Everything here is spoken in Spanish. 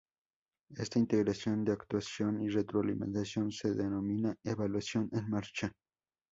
Esta integración de actuación y retroalimentación se denomina "evaluación en marcha".